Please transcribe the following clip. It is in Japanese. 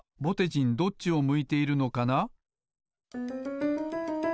ぼてじんどっちを向いているのかな？